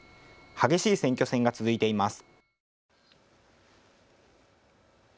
激しい選挙戦が続いています。